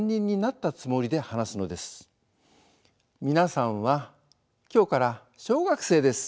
「皆さんは今日から小学生です。